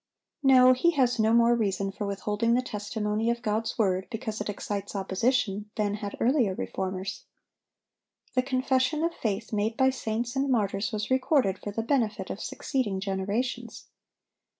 No; he has no more reason for withholding the testimony of God's word, because it excites opposition, than had earlier reformers. The confession of faith made by saints and martyrs was recorded for the benefit of succeeding generations.